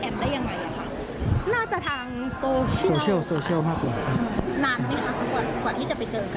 ต้องมีสามเดือนขึ้นนี่ครับ